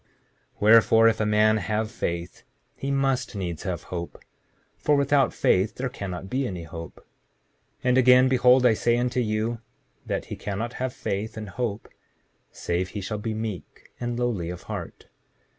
7:42 Wherefore, if a man have faith he must needs have hope; for without faith there cannot be any hope. 7:43 And again, behold I say unto you that he cannot have faith and hope, save he shall be meek, and lowly of heart.